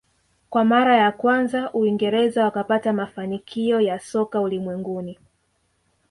Kwa mara ya kwanza uingereza wakapata mafanikio ya soka ulimwenguni